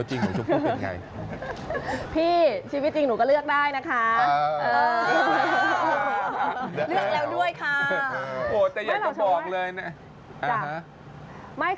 โหแต่อยากจะบอกเลยนะ